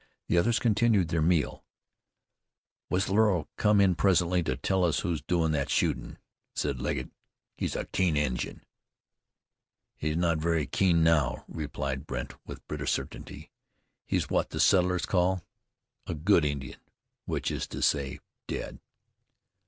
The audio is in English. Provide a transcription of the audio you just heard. The others continued their meal. "Whistler'll come in presently to tell us who's doin' thet shootin'," said Legget. "He's a keen Injun." "He's not very keen now," replied Brandt, with bitter certainty. "He's what the settlers call a good Indian, which is to say, dead!"